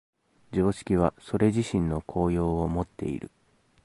常識はそれ自身の効用をもっている。